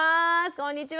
こんにちは！